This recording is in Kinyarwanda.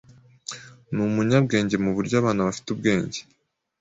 Ni umunyabwenge muburyo abana bafite ubwenge,